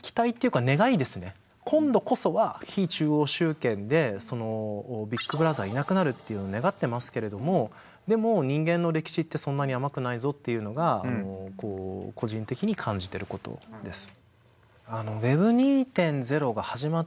今度こそは非中央集権でビッグ・ブラザーいなくなるっていうのを願ってますけれどもでも人間の歴史ってそんなに甘くないぞっていうのが個人的に感じてることです。